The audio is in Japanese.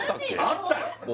あったよ